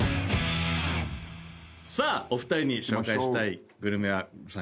さあお二人に紹介したいグルメは。